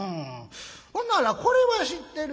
ほならこれは知ってるやろ。